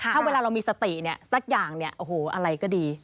ถ้าเวลาเรามีสติสักอย่างอะไรก็ดี